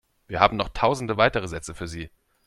Wir haben noch tausende weitere Sätze für Sie.